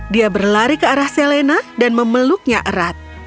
dia berlari ke arah selena dan memeluknya erat